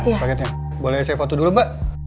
paketnya boleh saya foto dulu mbak